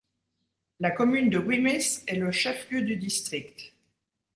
La commune de Wimmis est le chef-lieu du district.